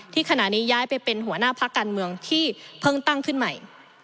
ขณะนี้ย้ายไปเป็นหัวหน้าพักการเมืองที่เพิ่งตั้งขึ้นใหม่